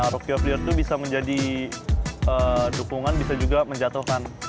rookie of the year itu bisa menjadi dukungan bisa juga menjatuhkan